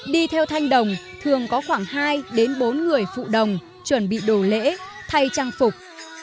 đi theo thanh đồng thường có khoảng hai bốn người phụ đồng chuẩn bị đồ lễ thay trang phục